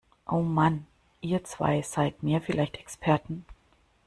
Oh Mann, ihr zwei seid mir vielleicht Experten!